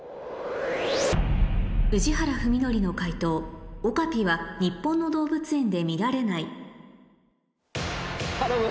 宇治原史規の解答「オカピ」は日本の動物園で見られない頼む！